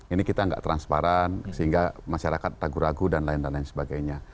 ini kita nggak transparan sehingga masyarakat ragu ragu dan lain lain sebagainya